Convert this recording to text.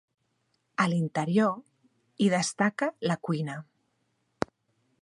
A l'interior hi destaca la cuina.